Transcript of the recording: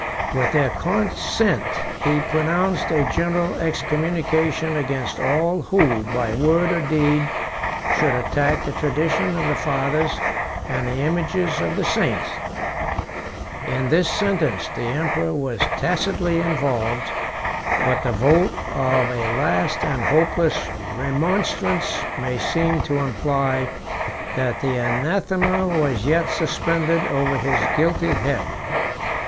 With their consent, he pronounced a general excommunication against all who by word or deed should attack the tradition of the fathers and the images of the saints: in this sentence the emperor was tacitly involved, 40 but the vote of a last and hopeless remonstrance may seem to imply that the anathema was yet suspended over his guilty head.